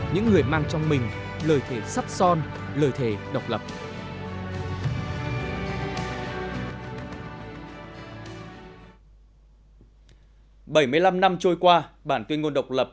những người mang trong mình lời thề sắt son lời thề độc lập